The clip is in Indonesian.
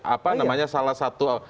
apa namanya salah satu